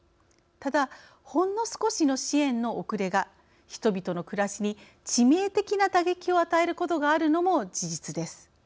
ただ、ほんの少しの支援の遅れが人々の暮らしに致命的な打撃を与えることがあるのも事実です。